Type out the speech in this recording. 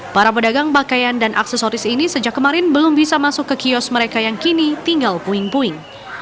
para pedagang pakaian dan aksesoris ini sejak kemarin belum bisa masuk ke kios mereka yang kini tinggal puing puing